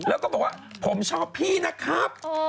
แล้วก็บอกว่าผมชอบพี่นะครับ